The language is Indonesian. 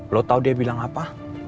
lo tahu dia bilang apa